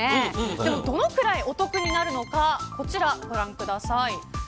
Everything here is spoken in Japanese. じゃあどのぐらいの得になるのかこちらをご覧ください。